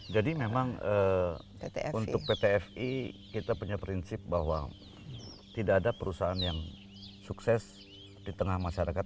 jadi memang untuk pt fi kita punya prinsip bahwa tidak ada perusahaan yang sukses di tengah masyarakat